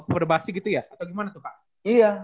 perubahasi gitu ya atau gimana tuh kak iya